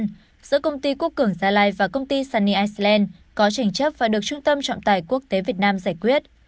giữa công ty quốc cường gia lai và công ty sunny island có trình chấp và được trung tâm trọng tài quốc tế việt nam giải quyết